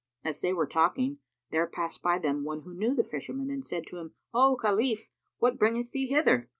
As they were talking, there passed by them one who knew the Fisherman and said to him, "O Khalif, what bringeth thee hither?"